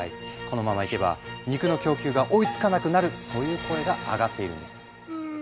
このままいけば肉の供給が追いつかなくなるという声が上がっているんです。